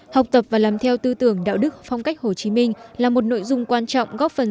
học tập và làm theo tư tưởng đạo đức phong cách hồ chí minh là một nội dung quan trọng góp phần